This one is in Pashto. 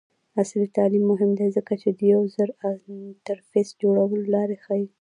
عصري تعلیم مهم دی ځکه چې د یوزر انټرفیس جوړولو لارې ښيي.